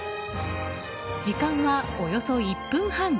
時間は、およそ１分半。